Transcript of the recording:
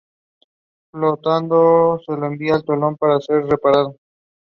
A review of the third volume called the series "excellent".